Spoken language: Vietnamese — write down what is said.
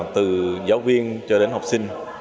từ giáo viên cho đến học sinh